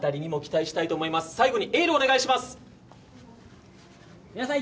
最後にエールをお願いします。